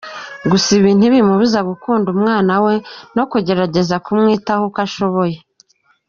Gusa ibi ntibimubuza gukunda umwana we no kugerageza kumwitaho uko ashoboye.